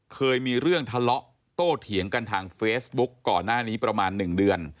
เคยมีเรื่องทะเลาะโตเถียงกันทางเฟซบุ๊กก่อนหน้านี้ประมาณ๑เดือน